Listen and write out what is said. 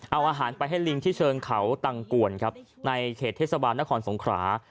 เอาอาหารไปให้ลิงที่เชิงเขาตังกวนครับในเขตเทศบาลนครสงขรา